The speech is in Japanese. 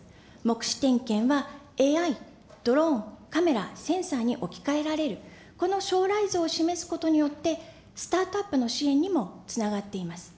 目視点検はＡＩ、ドローン、カメラ、センサーに置き換えられる、この将来像を示すことによって、スタートアップの支援にもつながっています。